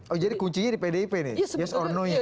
oh jadi kuncinya di pdip nih yes or no nya